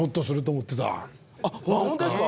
あっホントですか？